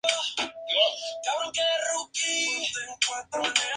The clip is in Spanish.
García era el primer beneficiario nacional mexicano de la medalla de honor.